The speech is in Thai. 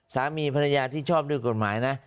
สามีภรรยาที่ชอบด้วยกฎหมายนะ